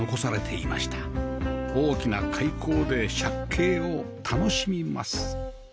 大きな開口で借景を楽しみます